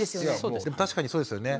確かにそうですよね。